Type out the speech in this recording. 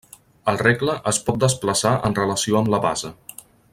El regle es pot desplaçar en relació amb la base.